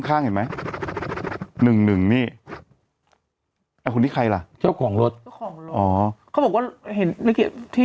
ถ้าละเรื่องสิดูวิธีคลางทั้งคลาง๑๑๑เห็นไหม